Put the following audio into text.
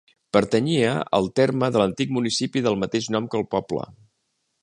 Pertanyia al terme de l'antic municipi del mateix nom que el poble.